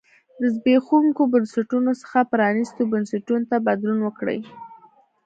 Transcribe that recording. له زبېښونکو بنسټونو څخه پرانیستو بنسټونو ته بدلون وکړي.